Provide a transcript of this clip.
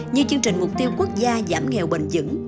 như chương trình mục tiêu quốc gia giảm nghèo bền dững